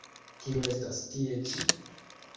Kiu estas tie ĉi?